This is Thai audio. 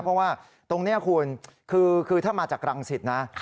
เพราะว่าตรงนี้คุณคือถ้ามาจากรังสิตนะ